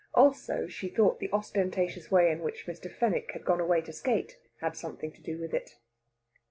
Also, she thought the ostentatious way in which Mr. Fenwick had gone away to skate had something to do with it.